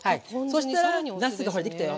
そしたらなすがほれできたよ。